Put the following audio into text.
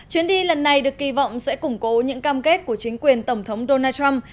chuyến đi lần này được kỳ vọng sẽ củng cố những cam kết của chính quyền tổng thống donald trump